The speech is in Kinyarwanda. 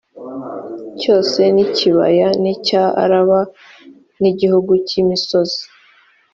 cyose n icy ikibaya n icya araba n igihugu cy imisozi